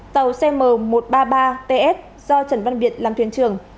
tàu cm một trăm ba mươi ba ts do trần văn biệt làm thuyền trưởng